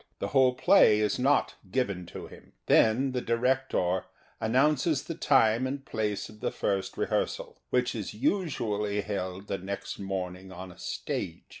The whole play is not given to him. Then the director announces the time and place of the first rehearsal, which is usually held the next morning on a stage.